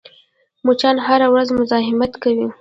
مچان هره ورځ مزاحمت کوي